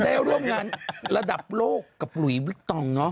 ได้ร่วมงานระดับโลกกับหลุยวิกตองเนาะ